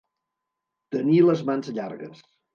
Tenir les mans llargues.